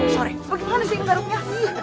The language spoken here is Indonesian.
sorry bagaimana sih ini garuknya